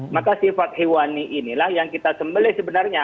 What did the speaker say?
maka sifat hewani inilah yang kita sembelih sebenarnya